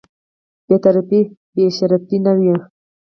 بې طرفي یې بې شرفي نه وه.